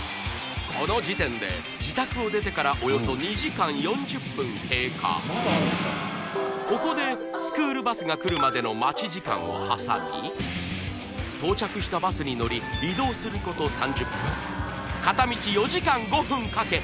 この時点で自宅を出てからおよそ２時間４０分経過ここでスクールバスが来るまでの待ち時間を挟み到着したバスに乗り移動すること３０分片道４時間５分かけ